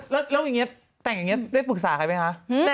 แล้วอย่างนี้แต่งอย่างนี้ได้ปรึกษาใครไหมคะ